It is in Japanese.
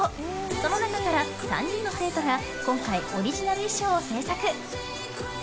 その中から、３人の生徒が今回オリジナル衣装を制作！